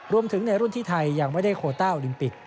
ในรุ่นที่ไทยยังไม่ได้โคต้าโอลิมปิก